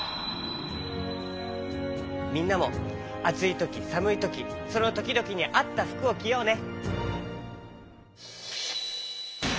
みんなもあついときさむいときそのときどきにあったふくをきようね！